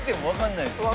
わかんない。